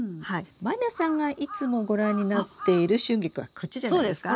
満里奈さんがいつもご覧になっているシュンギクはこっちじゃないですか？